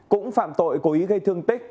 cũng phạm tội cố ý gây thương tích